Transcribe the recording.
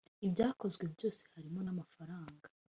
ibyakozwe byose harimo n amafaranga